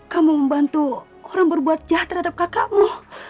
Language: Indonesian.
kamu membantu orang berbuat jahat terhadap kakakmu